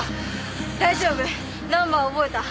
大丈夫ナンバー覚えた。